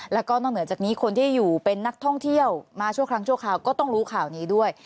แล้วก็นอกเหนือจากนี้คนที่อยู่เป็นนักท่องเที่ยวมาชั่วครั้งชั่วคราวก็ต้องรู้ข่าวนี้ด้วย